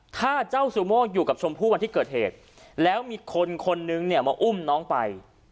ถ้าเจ้าซูโม่อยู่กับชมพู่วันที่เกิดเหตุแล้วมีคนคนนึงเนี่ยมาอุ้มน้องไป